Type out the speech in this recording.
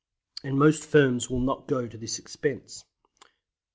And most firms will not go to this expense.